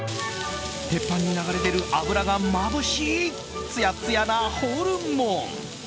鉄板に流れ出る脂がまぶしいつやつやなホルモン。